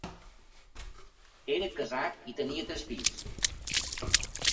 Era casat i tenia tres fills.